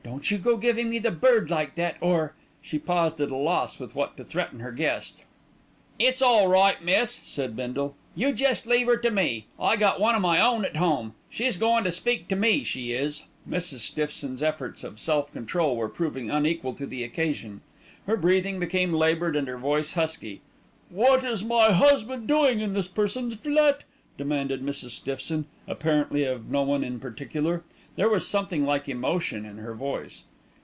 "Don't you go giving me the bird like that, or " She paused at a loss with what to threaten her guest. "It's all right, miss," said Bindle, "You jest leave 'er to me; I got one o' my own at 'ome. She's going to speak to me, she is." Mrs. Stiffson's efforts of self control were proving unequal to the occasion, her breathing became laboured and her voice husky. "What is my husband doing in this person's flat?" demanded Mrs. Stiffson, apparently of no one in particular. There was something like emotion in her voice.